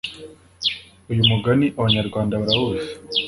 Uyu mugani Abanyarwanda barawuzi